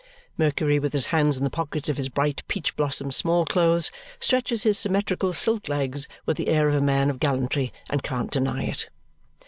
Mercury, with his hands in the pockets of his bright peach blossom small clothes, stretches his symmetrical silk legs with the air of a man of gallantry and can't deny it.